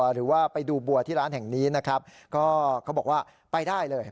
หรือว่าไปดูบัวที่ร้านแห่งนี้นะครับก็เขาบอกว่าไปได้เลย